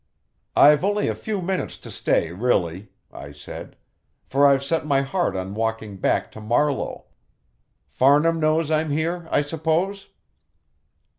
"I've only a few minutes to stay, really," I said, "for I've set my heart on walking back to Marlow. Farnham knows I'm here, I suppose?"